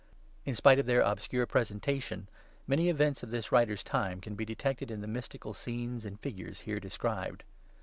In spite of their obscure presentation, many events of this writer's time can be detected in the mystical scenes and figures here described.